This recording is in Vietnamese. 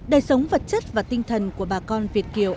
đời sống vật chất và tinh thần của bà con việt kiều